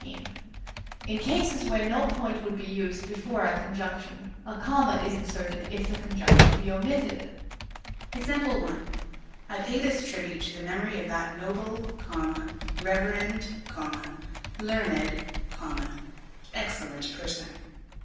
In cases where no point would be used before a conjunction, a comma is inserted if the conjunction be omitted. I pay this tribute to the memory of that noble, reverend, learned, excellent person.